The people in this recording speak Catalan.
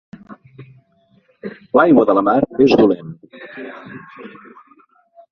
L'aigua de la mar és dolent.